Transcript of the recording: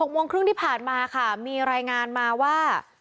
โมงครึ่งที่ผ่านมาค่ะมีรายงานมาว่า